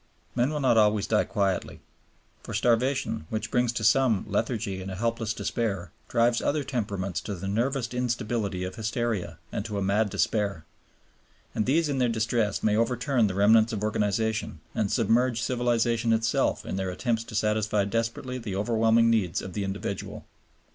Men will not always die quietly. For starvation, which brings to some lethargy and a helpless despair, drives other temperaments to the nervous instability of hysteria and to a mad despair. And these in their distress may overturn the remnants of organization, and submerge civilization itself in their attempts to satisfy desperately the overwhelming needs of the individual.